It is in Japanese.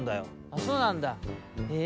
「あっそうなんだ。へえ」。